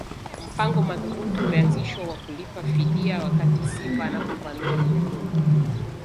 mpango madhubuti umeanzishwa wa kulipa fidia wakati simba anapovamia mifugo